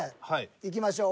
いきましょう。